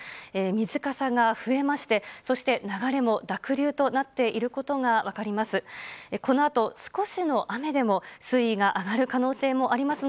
水かさが増えまして、そして、流れも濁流となっていることが分かります。